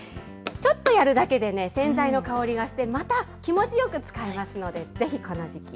ちょっとやるだけでね、洗剤の香りがして、また、気持ちよく使えますので、ぜひこの時期。